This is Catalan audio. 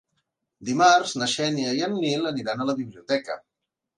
Dimarts na Xènia i en Nil aniran a la biblioteca.